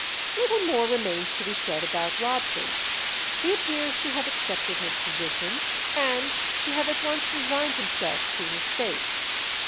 Little more remains to be said about Robson. He appears to have accepted his position, and to have at once resigned himself to his fate.